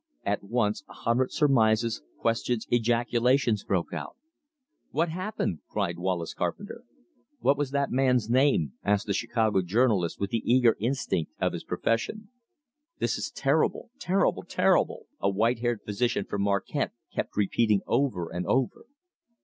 At once a hundred surmises, questions, ejaculations broke out. "What happened?" cried Wallace Carpenter. "What was that man's name?" asked the Chicago journalist with the eager instinct of his profession. "This is terrible, terrible, terrible!" a white haired physician from Marquette kept repeating over and over.